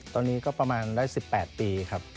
ตอนนี้ก็ประมาณได้๑๘ปีครับ